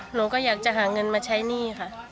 หนูก็อยากจะหาเงินมาใช้หนี้ค่ะ